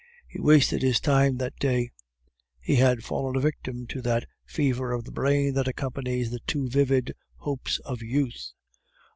He wasted his time that day; he had fallen a victim to that fever of the brain that accompanies the too vivid hopes of youth.